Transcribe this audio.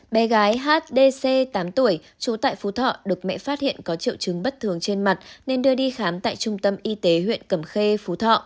bé gái hdc tám tuổi trú tại phú thọ được mẹ phát hiện có triệu chứng bất thường trên mặt nên đưa đi khám tại trung tâm y tế huyện cẩm khê phú thọ